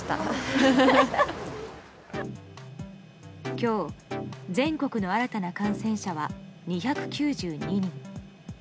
今日、全国の新たな感染者は２９２人。